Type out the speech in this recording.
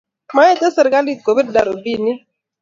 maete serikalit kopir darubinit